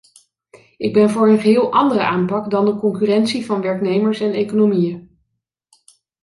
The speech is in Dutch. Ik ben voor een geheel andere aanpak dan de concurrentie van werknemers en economieën.